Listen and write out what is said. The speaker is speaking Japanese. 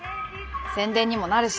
宣伝にもなるし。